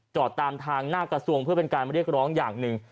จอดตามทางหน้ากระทรวงเพื่อเป็นการเรียกร้องอย่างหนึ่ง